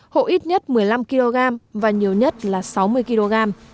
hộ ít nhất một mươi năm kg và nhiều nhất là sáu mươi kg